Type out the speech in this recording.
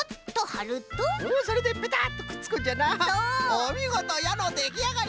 おみごと！やのできあがり！